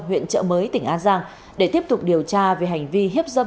huyện trợ mới tỉnh an giang để tiếp tục điều tra về hành vi hiếp dâm